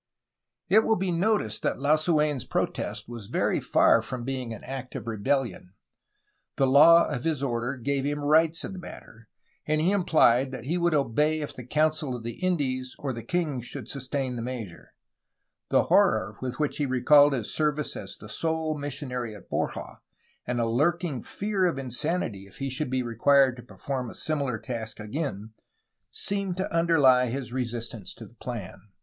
It will be noticed that Lasu^n's protest was very far from being an act of rebellion. The law of his order gave him rights in the matter, and he implied that he would obey if the Council of the Indies or the king should sustain the measure. The horror with which he recalled his service as the sole missionary at Borja and a lurking fear of insanity if he should be required to perform a similar task again seemed to underly his resistance to the plan.